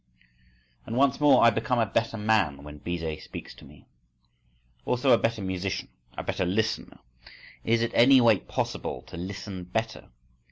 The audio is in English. And once more: I become a better man when Bizet speaks to me. Also a better musician, a better listener. Is it in any way possible to listen better?